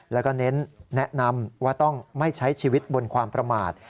แล้วก็เน้นแนะนำว่าต้องไม่ใช้ชีวิตบนความประมาท